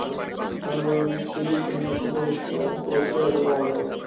আমি বলছি তুমি এসব পরকিয়ার খেলা বন্ধ করো।